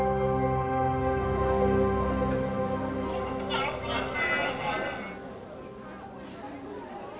よろしくお願いします。